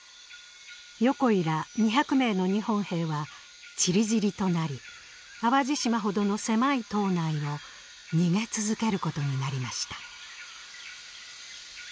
横井ら２００名の日本兵はちりぢりとなり淡路島ほどの狭い島内を逃げ続けることになりました。